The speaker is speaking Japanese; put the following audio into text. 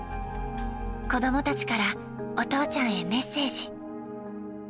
子どもたちからお父ちゃんへメッセージ。